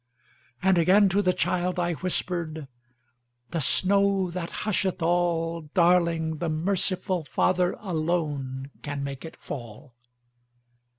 And again to the child I whispered,"The snow that husheth all, Darling, the merciful FatherAlone can make it fall!"